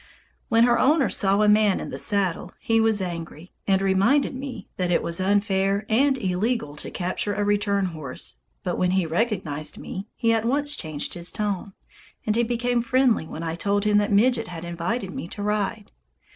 When her owner saw a man in the saddle, he was angry, and reminded me that it was unfair and illegal to capture a return horse; but when he recognized me, he at once changed his tone, and he became friendly when I told him that Midget had invited me to ride.